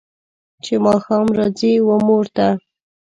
چې ماښام راځي و مور ته